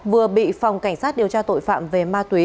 vừa bị phòng cảnh sát điều tra tội phạm về ma túy